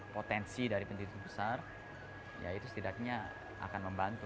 potensi dari pendiri besar ya itu setidaknya akan membantu